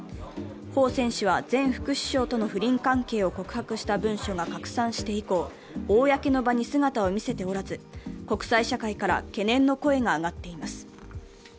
彭選手は前副首相との不倫関係を告白した文書が拡散して以降、公の場に姿を見せておらず、国際社会から懸念の声が上がっています。